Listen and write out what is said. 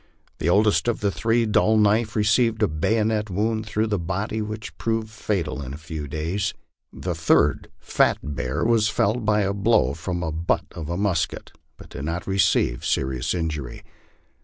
The oldest of the three, Dull Knife, received a bayonet wound through the body which proved fatal in a few days. The third, Fat Bear, was felled by a blow from the butt of a musket, but did not receive serious injury.